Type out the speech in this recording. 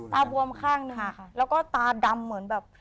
บวมข้างหนึ่งค่ะแล้วก็ตาดำเหมือนแบบ